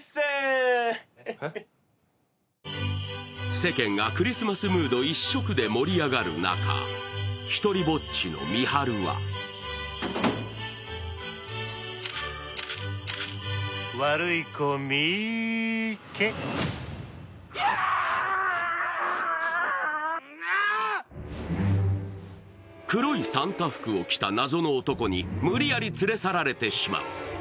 世間がクリスマスムード一色で盛り上がる中、独りぼっちの三春は黒いサンタ服を着た謎の男に無理やり連れ去られてしまう。